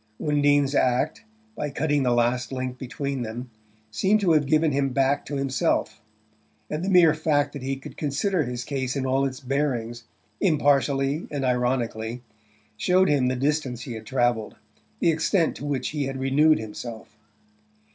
Undine's act, by cutting the last link between them, seemed to have given him back to himself; and the mere fact that he could consider his case in all its bearings, impartially and ironically, showed him the distance he had travelled, the extent to which he had renewed himself.